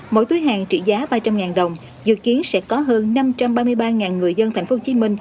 mỗi túi hàng trị giá ba trăm linh đồng dự kiến sẽ có hơn năm trăm ba mươi ba người dân tp hcm